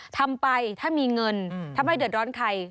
ทำไปถ้ามีเงินถ้าไม่เดือดร้อนใคร